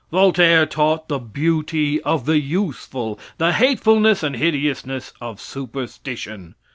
Voltaire taught the beauty of the useful, the hatefulness and hideousness of superstition.